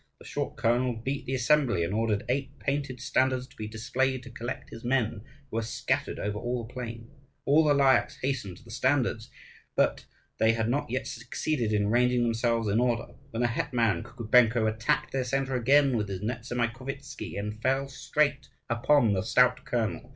The short colonel beat the assembly, and ordered eight painted standards to be displayed to collect his men, who were scattered over all the plain. All the Lyakhs hastened to the standards. But they had not yet succeeded in ranging themselves in order, when the hetman Kukubenko attacked their centre again with his Nezamaikovtzi and fell straight upon the stout colonel.